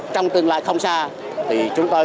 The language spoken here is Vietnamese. trong tương lai không xa thì chúng tôi